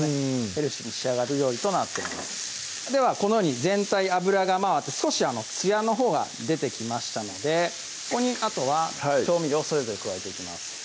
ヘルシーに仕上がる料理となっていますではこのように全体油が回って少しつやのほうが出てきましたのでここにあとは調味料をそれぞれ加えていきます